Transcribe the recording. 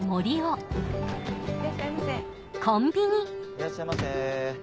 いらっしゃいませ。